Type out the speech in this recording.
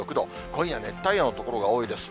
今夜熱帯夜の所が多いです。